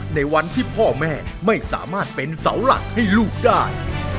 ในวันที่พ่อแม่ไม่สามารถเป็นเสาหลักให้ลูกได้